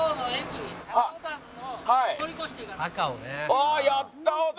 ああやったー！